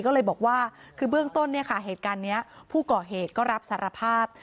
ก็เลยบอกว่าคือเบื้องต้นเนี่ยค่ะเหตุการณ์นี้ผู้ก่อเหตุก็รับสารภาพ